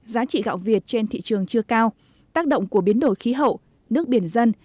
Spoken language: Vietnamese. giá trị gạo việt trên thị trường chưa cao tác động của biến đổi khí hậu nước biển dân